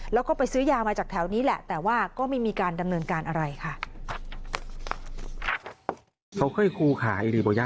แล้วก็ไปซื้อยามาจากแถวนี้แหละแต่ว่าก็ไม่มีการดำเนินการอะไรค่ะ